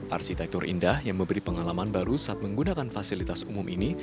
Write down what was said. arsitektur indah yang memberi pengalaman baru saat menggunakan fasilitas umum ini